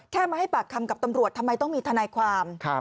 มาให้ปากคำกับตำรวจทำไมต้องมีทนายความ